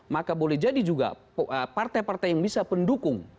maka boleh jadi juga partai partai yang bisa pendukung